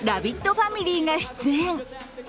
ファミリーが出演。